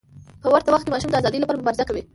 په ورته وخت کې ماشوم د ازادۍ لپاره مبارزه کوي.